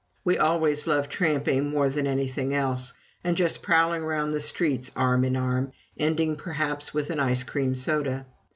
We always loved tramping more than anything else, and just prowling around the streets arm in arm, ending perhaps with an ice cream soda.